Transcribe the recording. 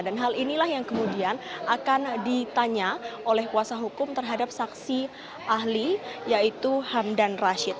dan hal inilah yang kemudian akan ditanya oleh kuasa hukum terhadap saksi ahli yaitu hamdan rashid